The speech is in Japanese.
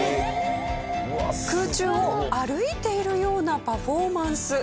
空中を歩いているようなパフォーマンス。